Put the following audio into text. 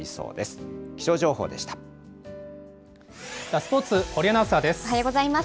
スポーツ、堀アナウンサーです。